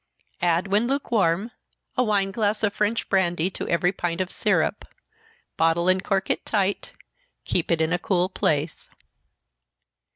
Add, when lukewarm, a wine glass of French brandy to every pint of syrup bottle and cork it tight keep it in a cool place.